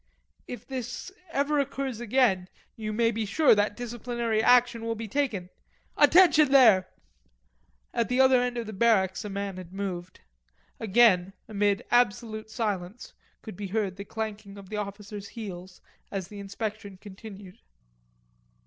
"If this ever occurs again you may be sure that disciplinary action will be taken.... Attention there!" At the other end of the barracks a man had moved. Again, amid absolute silence, could be heard the clanking of the officers' heels as the inspection continued.